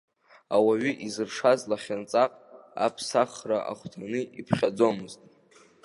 Ауаҩы изыршаз лахьынҵак аԥсахра ахәҭаны иԥхьаӡомызт.